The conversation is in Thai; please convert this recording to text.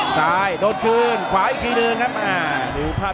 สายออกได้ออกไป